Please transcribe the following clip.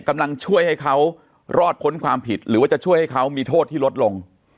กำลังช่วยให้เขารอดพ้นความผิดหรือว่าจะช่วยให้เขามีโทษที่ลดลง